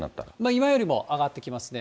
今よりも上がってきますね。